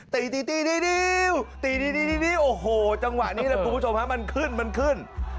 ตีโอ้โหจังหวะนี้นะคุณผู้ชมครับมันขึ้นมันขึ้น